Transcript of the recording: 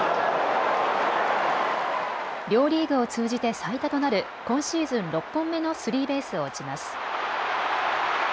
両リーグを通じて最多となる今シーズン６本目のスリーベースを打ちます。